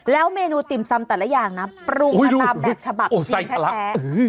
เมนูติ่มซำแต่ละอย่างนะปรุงมาตามแบบฉบับชิ้นแท้